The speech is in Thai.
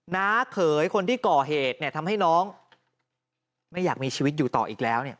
น้าเขยคนที่ก่อเหตุเนี่ยทำให้น้องไม่อยากมีชีวิตอยู่ต่ออีกแล้วเนี่ย